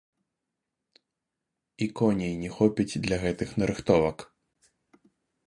І коней не хопіць для гэтых нарыхтовак.